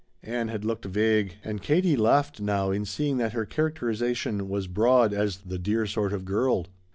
Ann had looked vague, and Katie laughed now in seeing that her characterization was broad as "the dear sort of girl."